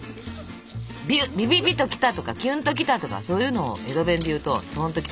「ビビビときた」とか「キュンときた」とかそういうのを江戸弁で言うと「とんときた」。